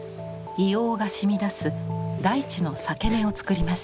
硫黄がしみ出す大地の裂け目を作ります。